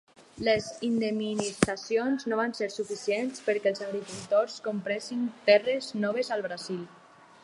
Les indemnitzacions no van ser suficients perquè els agricultors compressin terres noves al Brasil.